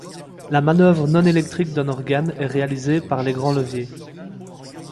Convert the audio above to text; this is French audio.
La manœuvre non électrique d’un organe est réalisée par les grands leviers.